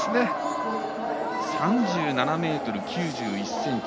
３７ｍ９１ｃｍ。